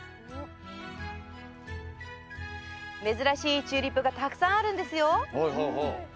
珍しいチューリップがたくさんあるんですよ。